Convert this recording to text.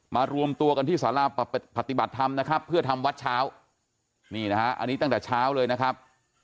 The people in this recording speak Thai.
รวมตัวกันที่สาราปฏิบัติธรรมนะครับเพื่อทำวัดเช้านี่นะฮะอันนี้ตั้งแต่เช้าเลยนะครับ